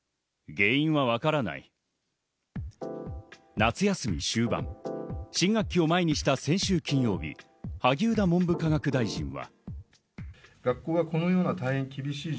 夏休み終盤、新学期を前にした先週金曜日、萩生田文部科学大臣は。